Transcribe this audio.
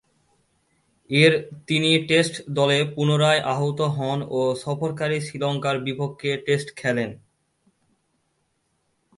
এর তিনি টেস্ট দলে পুনরায় আহুত হন ও সফরকারী শ্রীলঙ্কার বিপক্ষে টেস্ট খেলেন।